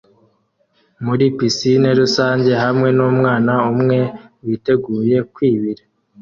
muri pisine rusange hamwe numwana umwe witeguye kwibira